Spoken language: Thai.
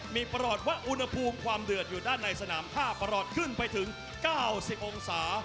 มีประวัติว่าอุณหภูมิความเดือดอยู่ด้านในสนามผ้าประหลอดขึ้นไปถึง๙๐องศา